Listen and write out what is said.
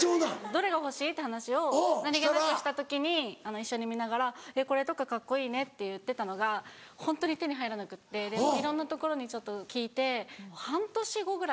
どれが欲しい？って話を何げなくした時に一緒に見ながらこれとかカッコいいねって言ってたのがホントに手に入らなくていろんなところに聞いて半年後ぐらいに。